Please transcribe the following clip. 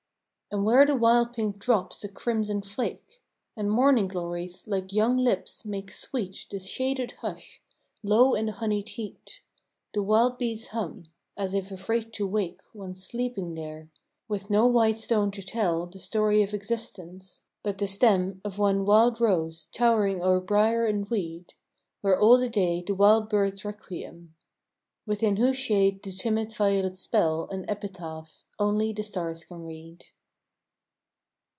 And where the wild pink drops a crimson flake, And morning glories, like young lips, make sweet The shaded hush, low in the honeyed heat, The wild bees hum; as if afraid to wake One sleeping there; with no white stone to tell The story of existence; but the stem Of one wild rose, towering o'er brier and weed, Where all the day the wild birds requiem; Within whose shade the timid violets spell An epitaph, only the stars can read.